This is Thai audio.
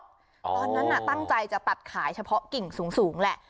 ตอนนั้นตั้งใจจะตัดขายเฉพาะกิ่งสูงแหละ